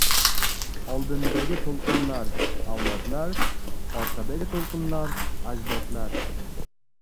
Oldindagi to‘lqinlar – avlodlar, orqadagi to‘lqinlar – ajdodlar.